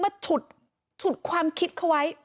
ฉุดความคิดเขาไว้